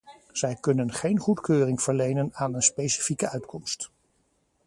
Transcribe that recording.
Zij kunnen geen goedkeuring verlenen aan een specifieke uitkomst.